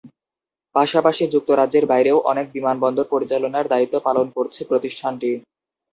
পাশাপাশি যুক্তরাজ্যের বাইরেও অনেক বিমানবন্দর পরিচালনার দায়িত্ব পালন করছে প্রতিষ্ঠানটি।